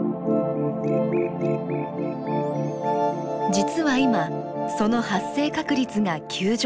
実は今その発生確率が急上昇。